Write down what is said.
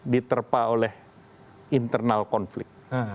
diterpa oleh internal konflik